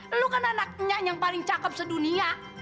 lu kan anaknya yang paling cakep sedunia